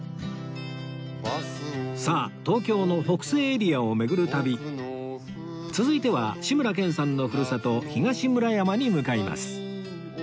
さあ東京の北西エリアを巡る旅続いては志村けんさんのふるさと東村山に向かいます